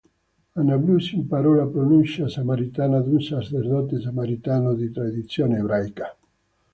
A Nablus imparò la pronuncia samaritana da un sacerdote samaritano di tradizione ebraica.